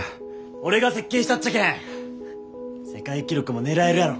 俺が設計したっちゃけん世界記録も狙えるやろ。